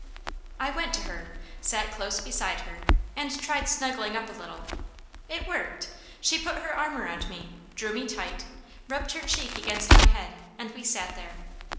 I went to her, sat close beside her and tried snuggling up a little. It worked. She put her arm around me, drew me tight, rubbed her cheek against my head and we sat there.